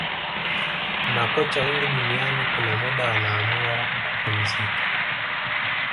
makocha wengi duniani kuna muda wanaamua kupumzika